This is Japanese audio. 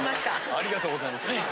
ありがとうございます。